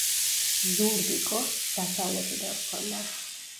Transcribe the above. ზურგი კოშკს დასავლეთიდან ჰქონდა.